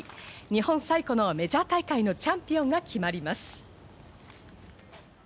日本最古のメジャー大会のチャンピオンが決まります。